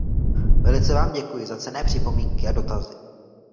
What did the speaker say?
Velice vám děkuji za cenné připomínky a dotazy.